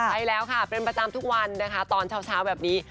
ใช่แล้วค่ะเป็นประจำทุกวันนะคะตอนเช้าแบบนี้